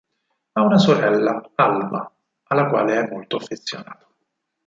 Ha una sorella, Alma, alla quale è molto affezionato.